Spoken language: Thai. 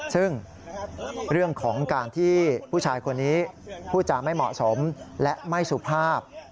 ซึ่งเรื่องของการที่ผู้ชายคนนี้พูดจาไม่เหมาะสมและไม่สุภาพ